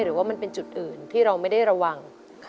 หรือว่ามันเป็นจุดอื่นที่เราไม่ได้ระวัง